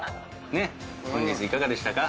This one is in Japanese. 本日いかがでしたか？